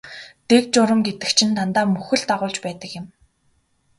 Дэг журам гэдэг чинь дандаа мөхөл дагуулж байдаг юм.